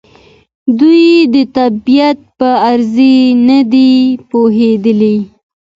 دوی د طبیعت په راز نه دي پوهېدلي.